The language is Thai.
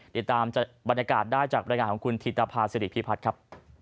ติดตามบรรยากาศได้จากบรรยายงานของคุณธิตภาษิริพิพัฒน์ครับ